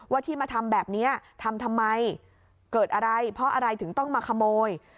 ที่มาทำแบบนี้ทำทำไมเกิดอะไรเพราะอะไรถึงต้องมาขโมย